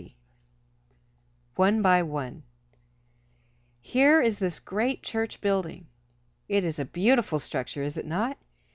"_ ONE BY ONE Here is this great church building. It is a beautiful structure, is it not?